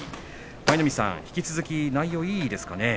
舞の海さん、引き続き内容いいですかね。